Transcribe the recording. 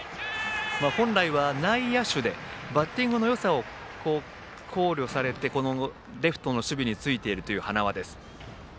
本来は内野手でバッティングのよさを考慮されてレフトの守備についているという塙です。